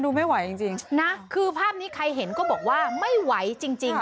ไม่ไหวจริงนะคือภาพนี้ใครเห็นก็บอกว่าไม่ไหวจริงจริง